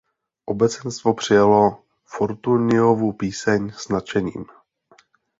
Obecenstvo přijalo "Fortuniovu píseň" s nadšením.